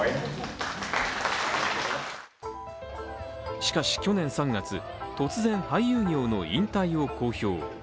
しかし去年３月、突然俳優業の引退を公表。